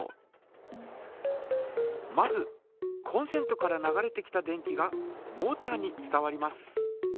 まずコンセントから流れてきた電気がモータに伝わります。